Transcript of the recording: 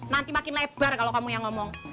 nanti makin lebar kalau kamu yang ngomong